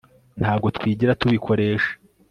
Ntabwo twigera tubikoresha